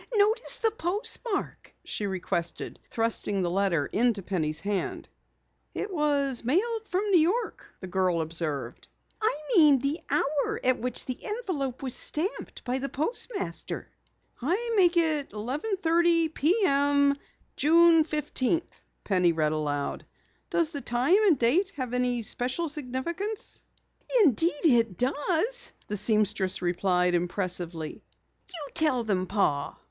"Notice the postmark," she requested, thrusting the letter into Penny's hand. "It was mailed from New York," the girl observed. "I mean the hour at which the envelope was stamped by the postmaster." "I make it 11:30 P.M. June fifteenth," Penny read aloud. "Does the time and date have special significance?" "Indeed, it does," the seamstress replied impressively. "You tell them, Pa."